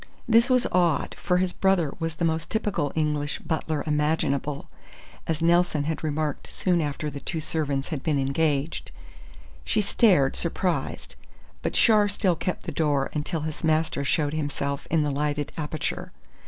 This was odd, for his brother was the most typical British butler imaginable, as Nelson had remarked soon after the two servants had been engaged. She stared, surprised; but Char still kept the door until his master showed himself in the lighted aperture.